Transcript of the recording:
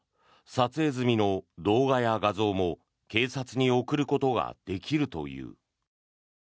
撮影済みの動画や画像も警察に送ることができるという。